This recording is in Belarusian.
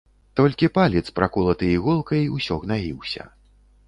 Толькі палец, праколаты іголкай, усё гнаіўся.